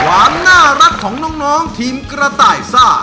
ความน่ารักของน้องทีมกระต่ายซ่า